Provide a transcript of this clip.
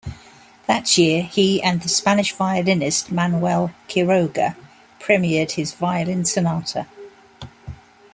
That year he and the Spanish violinist Manuel Quiroga premiered his Violin Sonata.